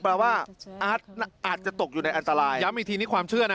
แปลว่าอาร์ตอาจจะตกอยู่ในอันตรายย้ำอีกทีนี่ความเชื่อนะ